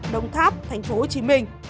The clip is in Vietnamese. đồng tháp tp hcm